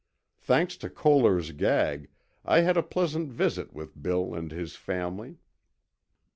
Thanks to Koehler's gag, I had a pleasant visit with Bill and his family.